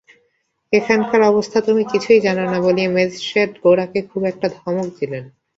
এখানকার অবস্থা তুমি কিছুই জান না বলিয়া ম্যাজিস্ট্রেট গোরাকে খুব একটা ধমক দিলেন।